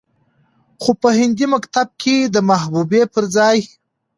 خو په هندي مکتب کې د محبوبې پرځاى